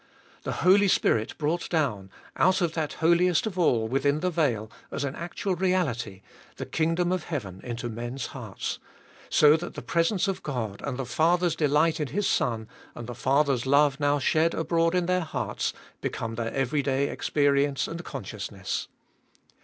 The Holy Spirit brought down, out of that Holiest of All within the veil, as an actual reality, the kingdom of heaven into men's hearts, so that the presence of God, and the Father's delight in His Son, and the Father's love now shed abroad in their hearts become their everyday experi ence and consciousness.